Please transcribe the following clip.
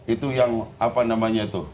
itu yang apa namanya itu